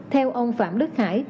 theo ông phạm đức hải